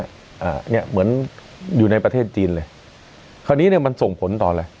อ่าเนี้ยเหมือนอยู่ในประเทศจีนเลยคราวนี้เนี้ยมันส่งผลต่ออะไร